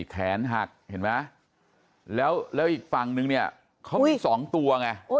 แขนหักเห็นไหมแล้วอีกฝั่งนึงเนี่ยเขามี๒ตัวไง